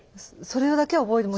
それだけは覚えて。